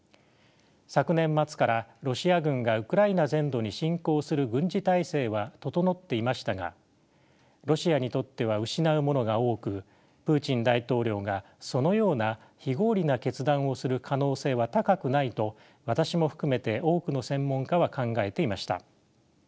昨年末からロシア軍がウクライナ全土に侵攻する軍事態勢は整っていましたがロシアにとっては失うものが多くプーチン大統領がそのような非合理な決断をする可能性は高くないと私も含めて多くの専門家は考えていました。